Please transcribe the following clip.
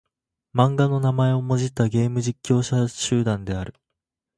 漫画の名前をもじったゲーム実況者集団である。